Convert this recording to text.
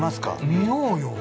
見ようよ。